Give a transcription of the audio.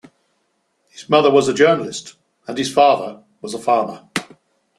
His mother was a journalist and his father was a farmer.